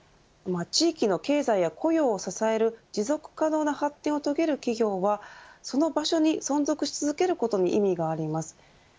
地域の経済や雇用を支える持続可能な発展を遂げる企業はその場所に存続し続けることに意味があります。